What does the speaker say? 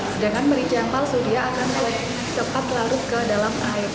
sedangkan merica yang palsu dia akan cepat larut ke dalam air